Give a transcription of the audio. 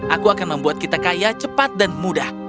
aku akan membuat kita kaya cepat dan mudah